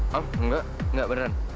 hah enggak enggak beneran